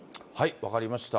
分かりました。